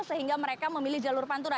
sehingga mereka memilih jalur pantura